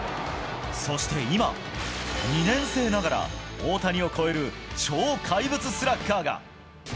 そして今、２年生ながら大谷を超える超怪物スラッガーが。